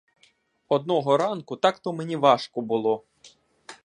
Одного ранку так-то мені важко було!